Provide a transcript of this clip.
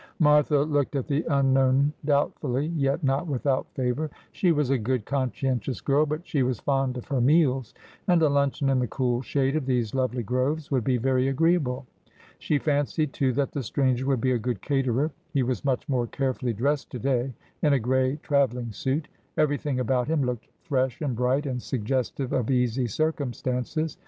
Martha looked at the unknown doubtfully, yet not without favour. She was a good, conscientious girl : but she was fond of her meals, and a luncheon in the cool shade of these lovely groves would be very agreeable. She fancied, too, that the stranger would be a good caterer. He was much more carefuUy dressed to day, in a gray travelling suit. Everything about him looked fresh and bright, and suggestive of easy circumstances.